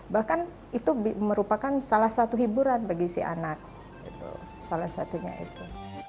bahkan itu merupakan salah satu hiburan bagi si anak salah satunya itu